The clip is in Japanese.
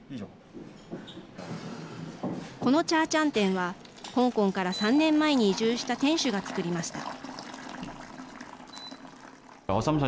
このチャーチャンテンは香港から３年前に移住した店主がつくりました。